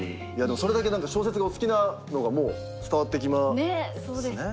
それだけ小説がお好きなのがもう伝わってきますね。